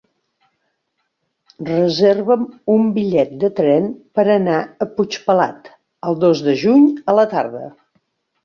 Reserva'm un bitllet de tren per anar a Puigpelat el dos de juny a la tarda.